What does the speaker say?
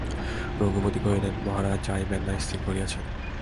রঘুপতি কহিলেন, মহারাজ যাইবেন না স্থির করিয়াছেন।